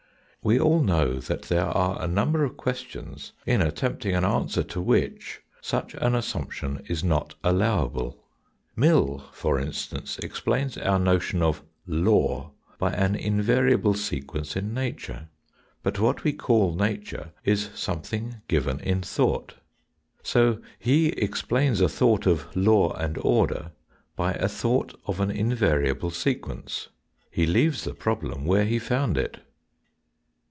We all know that there are a number of questions in attempting an answer to which such an assumption is not allowable. Mill, for instance, explains our notion of " law " by an invariable sequence in nature. But what we call nature is something given in thought. So he explains a thought " f law and order by a thought of an invariable sequence. lie leaves the problem where he found it.